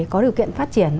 có điều kiện phát triển